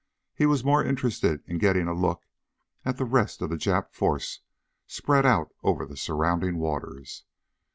He was more interested in getting a look at the rest of the Jap force spread out over the surrounding waters.